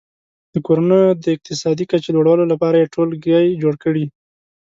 د کورنیو د اقتصادي کچې لوړولو لپاره یې ټولګي جوړ کړي.